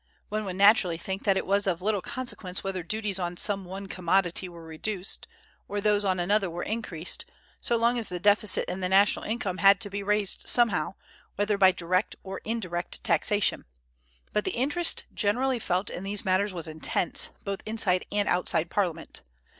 One would naturally think that it was of little consequence whether duties on some one commodity were reduced, or those on another were increased, so long as the deficit in the national income had to be raised somehow, whether by direct or indirect taxation; but the interest generally felt in these matters was intense, both inside and outside Parliament.